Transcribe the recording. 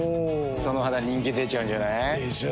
その肌人気出ちゃうんじゃない？でしょう。